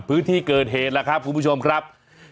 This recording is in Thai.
พื้นที่เกิดเหตุแล้วครับคุณผู้ชมครับ